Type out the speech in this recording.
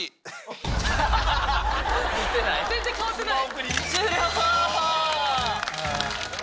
全然変わってない。